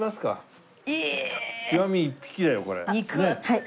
はい。